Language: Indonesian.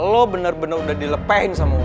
lo bener bener udah dilepehin sama ular